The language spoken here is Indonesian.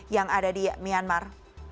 yang ada di myanmar